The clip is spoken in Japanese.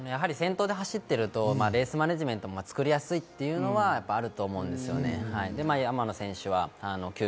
先頭で走っているとレースマネジメントが作りやすいというのはあると思うんですよね。